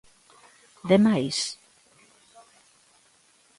¡De máis!